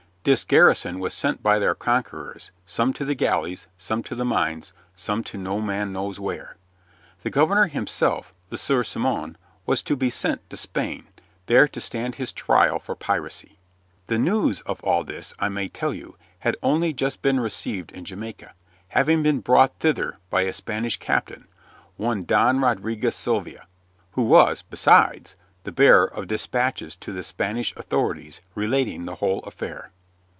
This garrison was sent by their conquerors, some to the galleys, some to the mines, some to no man knows where. The governor himself Le Sieur Simon was to be sent to Spain, there to stand his trial for piracy. The news of all this, I may tell you, had only just been received in Jamaica, having been brought thither by a Spanish captain, one Don Roderiguez Sylvia, who was, besides, the bearer of dispatches to the Spanish authorities relating the whole affair.